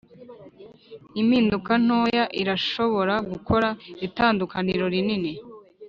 impinduka ntoya irashobora gukora itandukaniro rinini.